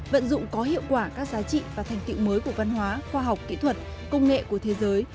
vận dụng có hiệu quả các giá trị và thành tiệu mới của văn hóa khoa học kỹ thuật công nghệ của thế giới